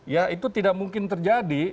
ya itu tidak mungkin terjadi